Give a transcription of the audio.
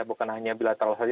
bukan hanya bilateral saja